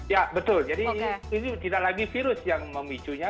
ya betul jadi ini tidak lagi virus yang memicunya